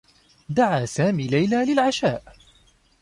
دعى سامي ليلى لعشاء.